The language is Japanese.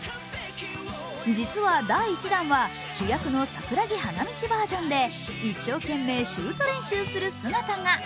実は第１弾は主役の桜木花道バージョンで一生懸命シュート練習する姿が。